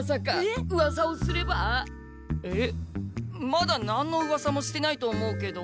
まだ何のうわさもしてないと思うけど。